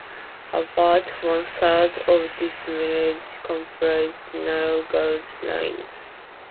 About one third of this mileage comprised narrow gauge lines.